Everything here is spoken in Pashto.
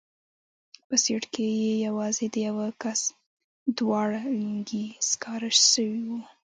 په سيټ کښې يې يوازې د يوه کس دواړه لينگي سکاره سوي وو.